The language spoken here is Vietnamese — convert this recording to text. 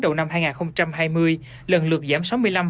đầu năm hai nghìn hai mươi lần lượt giảm sáu mươi năm sáu mươi hai